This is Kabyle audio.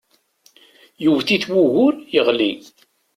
Yewwet-it wugur yeɣli.